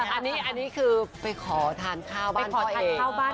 อันนี้คือไปขอทานข้าวบ้านพ่อเอก